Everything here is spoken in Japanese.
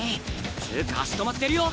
つうか足止まってるよ！